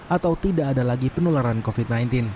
atau tidak ada lagi penularan covid sembilan belas